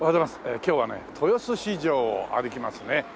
今日はね豊洲市場を歩きますね。